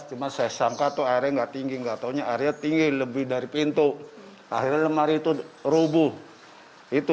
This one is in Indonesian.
saya sangka atau airnya tinggi enggak taunya area tinggi lebih dari pintu akhirnya itu rubuh itu